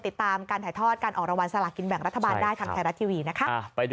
ติดตามการถ่ายทอดการออกรางวัลสลากินแบ่งรัฐบาลได้ทางไทยรัฐทีวีนะคะ